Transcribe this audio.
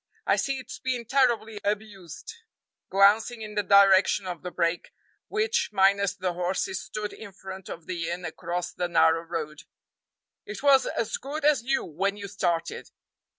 I see it's been terribly abused," glancing in the direction of the brake, which, minus the horses, stood in front of the inn across the narrow road; "it was as good as new when you started."